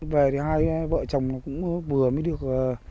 về thì hai vợ chồng cũng vừa mới được